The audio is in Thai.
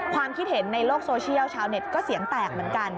ความคิดเห็นในโลกโซเชียลชาวเน็ตก็เสียงแตกเหมือนกัน